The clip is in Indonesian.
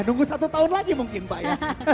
nunggu satu tahun lagi mungkin pak ya